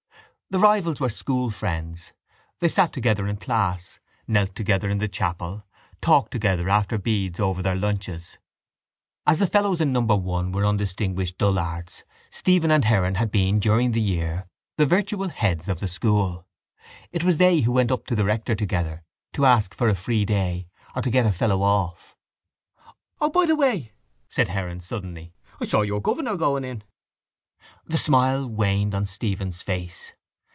The rivals were school friends. They sat together in class, knelt together in the chapel, talked together after beads over their lunches. As the fellows in number one were undistinguished dullards, Stephen and Heron had been during the year the virtual heads of the school. It was they who went up to the rector together to ask for a free day or to get a fellow off. —O by the way, said Heron suddenly, I saw your governor going in. The smile waned on Stephen's face.